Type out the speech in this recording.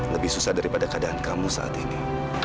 lebih susah daripada keadaan kamu saat ini